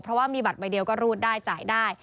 เพราะว่ามีบัตรใบเดียวก็รูดได้จ่ายได้